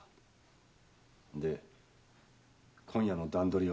で今夜の段どりは？